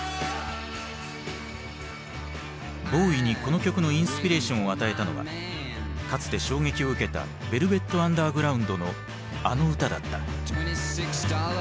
ボウイにこの曲のインスピレーションを与えたのはかつて衝撃を受けたヴェルヴェット・アンダーグラウンドのあの歌だった。